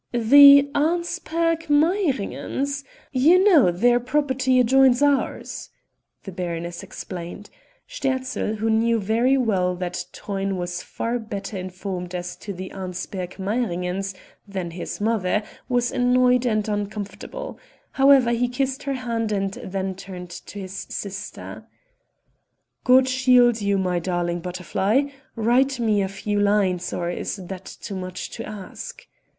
"The Arnsperg Meiringens; you know their property adjoins ours," the baroness explained. Sterzl, who knew very well that Truyn was far better informed as to the Arnsperg Meiringens than his mother, was annoyed and uncomfortable. However, he kissed her hand and then turned to his sister: "God shield you, my darling butterfly write me a few lines, or is that too much to ask?"